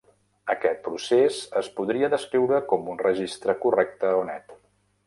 Aquest procés es podria descriure com un registre correcte o net.